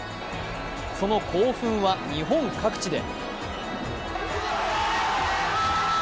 その興奮は日本各地で。